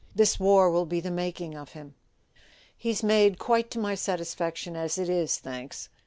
This war will be the making of him." "He's made quite to my satisiaction as it is, thanks.